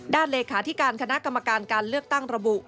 เลขาธิการคณะกรรมการการเลือกตั้งระบุ